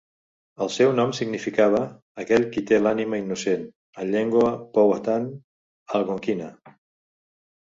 El seu nom significava "aquell qui té l'ànima innocent" en llengua powhatan algonquina.